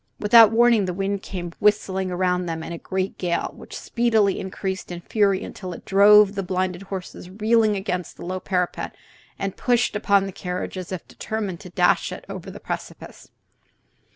Without warning the wind came whistling around them in a great gale, which speedily increased in fury until it drove the blinded horses reeling against the low parapet and pushed upon the carriage as if determined to dash it over the precipice.